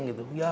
ya kenapa sih